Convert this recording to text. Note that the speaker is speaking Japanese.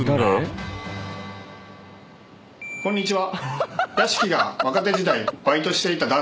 こんにちは。